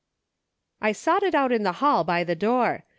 " I sot it out in the hall, by the door.